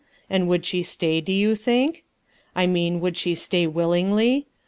And would she stay, do you think? I mean would she stay willingly